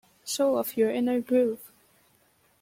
Show off your inner groove.